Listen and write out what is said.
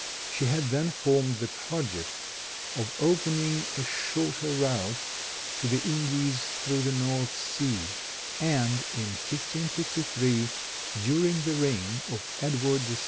She had then formed the project of opening a shorter route to the Indies through the North Sea, and, in 1553, during the reign of Edward VI.